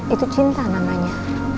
itu cinta namanya